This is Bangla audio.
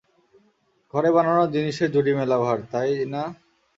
ঘরে বানানো জিনিসের জুড়ি মেলা ভার, তাই না?